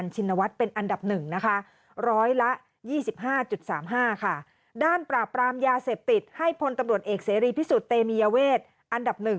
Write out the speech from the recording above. เจริพิสุทธิ์เตมียเวชอันดับ๑